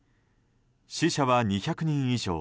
死者は２００人以上。